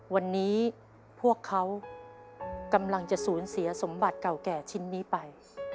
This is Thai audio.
วันนี้พวกเขากำลังจะสูญเสียสมบัติเก่าแก่ชิ้นนี้ไป